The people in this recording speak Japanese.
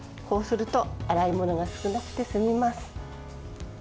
こうすると、洗い物が少なくて済みます。